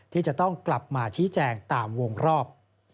ที่จะต้องกลับมาชี้แจงตามวงรอบ